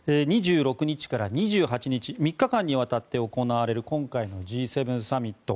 ２６日から２８日３日間にわたって行われる今回のＧ７サミット。